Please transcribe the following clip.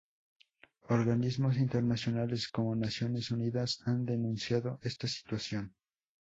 Organismos internacionales como Naciones Unidas han denunciado esta situación.